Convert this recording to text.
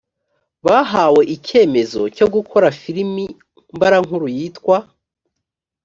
bahawe icyemezo cyo gukora filimi mbarankuru yitwa